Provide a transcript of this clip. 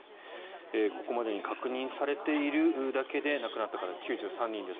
ここまでに確認されているだけで亡くなった方、９３人です。